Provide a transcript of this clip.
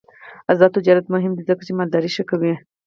آزاد تجارت مهم دی ځکه چې مالداري ښه کوي.